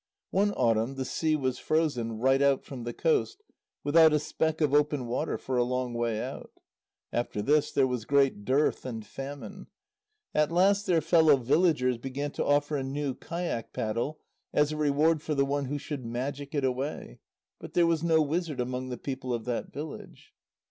One autumn the sea was frozen right out from the coast, without a speck of open water for a long way out. After this, there was great dearth and famine; at last their fellow villagers began to offer a new kayak paddle as a reward for the one who should magic it away, but there was no wizard among the people of that village.